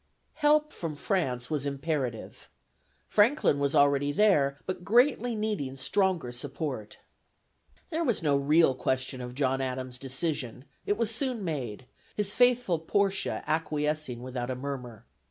Help from France was imperative. Franklin was already there, but greatly needing stronger support. There was no real question of John Adams' decision: it was soon made, his faithful Portia acquiescing without a murmur.